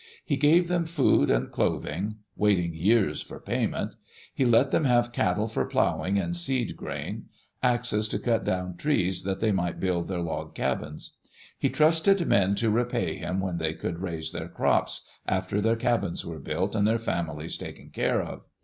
He gave them food and clothing, waiting years for payment; he let them have cattle for plowing and seed grain; axes to cut down trees that they might build their log cabins. He trusted men to repay him when they could raise their crops, after their cabins were built and their families taken care of.